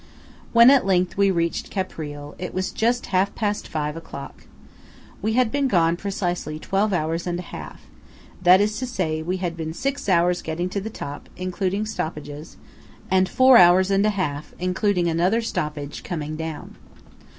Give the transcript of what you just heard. When at length we reached Caprile, it was just half past five o'clock. We had been gone precisely twelve hours and a half :–that is to say, we had been six hours getting to the top, including stoppages; two hours on the top; and four hours and a half, including another stoppage, coming down.